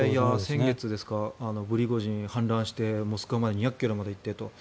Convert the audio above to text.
先月プリゴジンが反乱してモスクワまで２００ｋｍまで一手と。